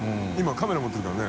カメラ持ってるからね。